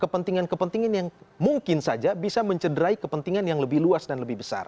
kepentingan kepentingan yang mungkin saja bisa mencederai kepentingan yang lebih luas dan lebih besar